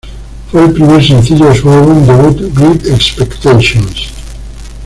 Fue el primer sencillo de su álbum debut Great Expectations.